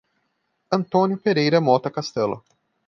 Antônio Pereira Mota Castelo